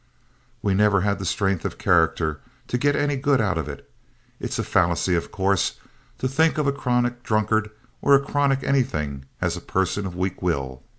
We never had the strength of character to get any good out of it. It's a fallacy, of course, to think of a chronic drunkard or a chronic anything as a person of weak will.